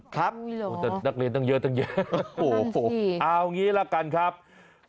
ครับนักเรียนตั้งเยอะตั้งเยอะโอ้โหเอางี้ละกันครับอุ๊ยเหรอ